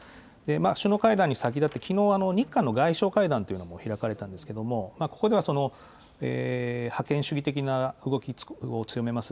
首脳会談に先立って、きのう、日韓の外相会談というのも開かれたんですけれども、ここでは覇権主義的な動きを強めます